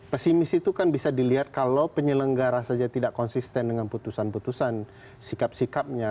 pesimis itu kan bisa dilihat kalau penyelenggara saja tidak konsisten dengan putusan putusan sikap sikapnya